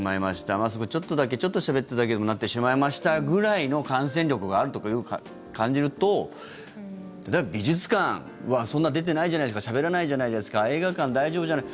マスクちょっとだけちょっとしゃべっただけでもなってしまいましたぐらいの感染力があると感じると美術館はそんな出てないじゃないですかしゃべらないじゃないですか映画館、大丈夫じゃない。